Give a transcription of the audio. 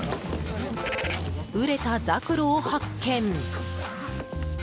熟れたザクロを発見。